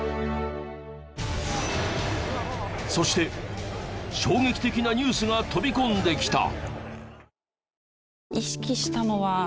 そして衝撃的なニュースが飛び込んできた！